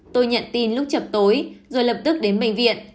tôi nhận tin lúc chập tối rồi lập tức đến bệnh viện